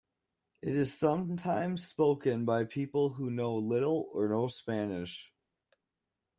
It is sometimes spoken by people who know little or no Spanish.